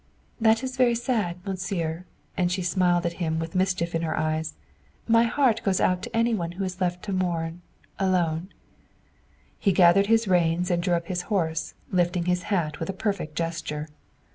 "That is very sad, Monsieur," and she smiled at him with mischief in her eyes. "My heart goes out to any one who is left to mourn alone." He gathered his reins and drew up his horse, lifting his hat with a perfect gesture.